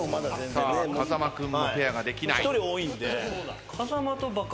さあ風間君もペアができない。